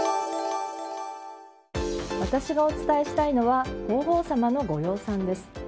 私がお伝えしたいのは皇后さまのご養蚕です。